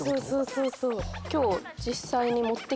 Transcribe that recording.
そうそう。